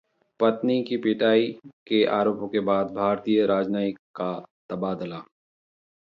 पत्नी की पिटाई के आरोपों के बाद भारतीय राजनयिक का तबादला